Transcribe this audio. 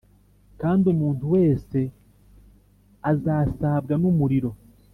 Kandi umuntu wese azasabwa n umuriro